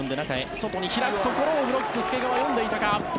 外へ開くところをブロック、介川読んでいたか。